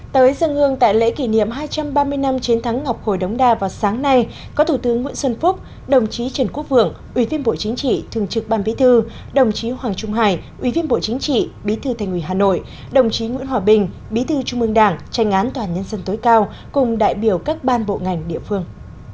tới dân hương tại lễ kỷ niệm hai trăm ba mươi năm chiến thắng ngọc hồi đống đa vào sáng nay có thủ tướng nguyễn xuân phúc đồng chí trần quốc vượng ủy viên bộ chính trị thường trực ban bí thư đồng chí hoàng trung hải ủy viên bộ chính trị bí thư thành ủy hà nội đồng chí nguyễn hòa bình bí thư trung mương đảng tranh án tòa án nhân dân tối cao cùng đại biểu các ban bộ ngành địa phương